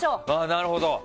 なるほど。